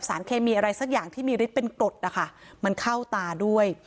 สักอย่างที่มีฤทธิ์เป็นกรดอ่ะค่ะมันเข้าตาด้วย